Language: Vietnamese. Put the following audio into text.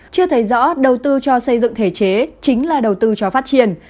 chưa thấy rõ đầu tư cho xây dựng thể chế chính là đầu tư cho phát triển